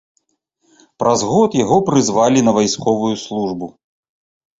Праз год яго прызвалі на вайсковую службу.